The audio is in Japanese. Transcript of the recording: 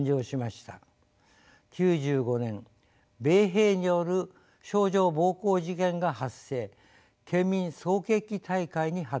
９５年米兵による少女暴行事件が発生県民総決起大会に発展しました。